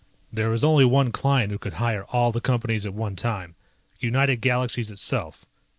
There was only one client who could hire all the Companies at one time. United Galaxies itself.